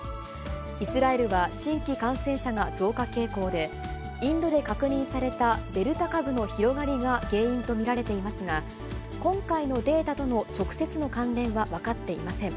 イスラエルは新規感染者が増加傾向で、インドで確認されたデルタ株の広がりが原因と見られていますが、今回のデータとの直接の関連は分かっていません。